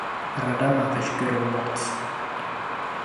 Rada má veškerou moc.